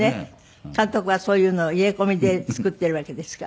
監督はそういうのを入れ込みで作っているわけですからね。